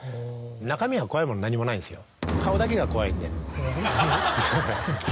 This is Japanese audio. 中身は怖いもの何もないんですよ。